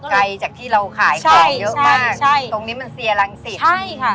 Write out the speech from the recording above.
ใกล้จากที่เราขายของเยอะมากตรงนี้มันเสียรังสิทธิ์